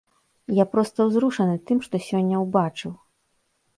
Я проста узрушаны тым, што сёння ўбачыў.